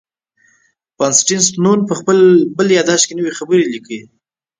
بابټیست نون په خپل بل یادښت کې نوی خبر لیکي.